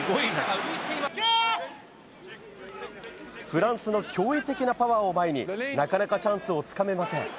フランスの驚異的なパワーを前になかなかチャンスを掴めません。